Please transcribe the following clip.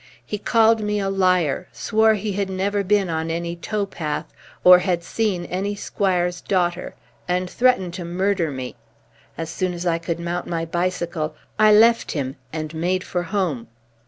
He called me a liar, swore he had never been on any tow path or had seen any squire's daughter, and threatened to murder me. As soon as I could mount my bicycle I left him and made for home.